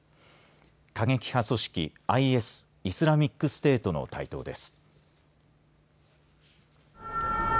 過激派組織ＩＳ＝イスラミックステートの台頭です。